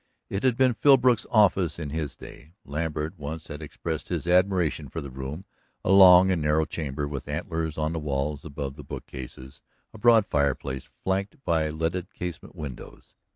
It had been Philbrook's office in his day. Lambert once had expressed his admiration for the room, a long and narrow chamber with antlers on the walls above the bookcases, a broad fireplace flanked by leaded casement windows.